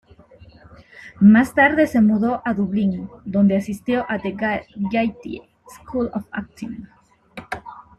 Más tarde se mudó a Dublín, donde asistió a The Gaiety School of Acting.